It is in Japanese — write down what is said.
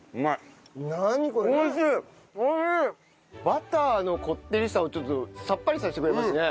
バターのこってりさをちょっとさっぱりさせてくれますね。